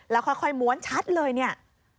แล้วค่อยม้วนชัดเลยเนี่ย